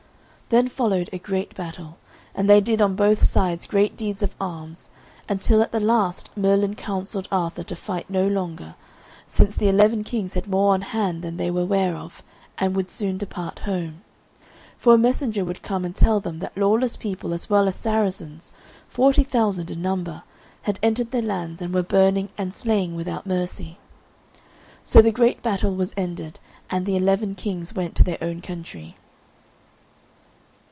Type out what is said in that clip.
Then followed a great battle, and they did on both sides great deeds of arms until at the last Merlin counselled Arthur to fight no longer, since the eleven kings had more on hand than they were ware of, and would soon depart home; for a messenger would come and tell them that lawless people as well as Saracens, forty thousand in number, had entered their lands and were burning and slaying without mercy. So the great battle was ended, and the eleven kings went to their own country.